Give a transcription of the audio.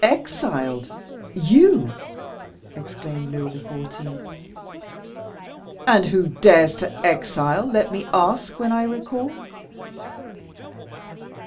"Exiled, you!" exclaimed Louis XIV., "and who dares to exile, let me ask, when I recall?"